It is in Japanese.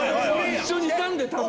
一緒にいたんだよ多分。